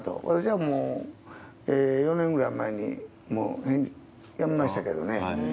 私はもう、４年ぐらい前にもうやめましたけどね。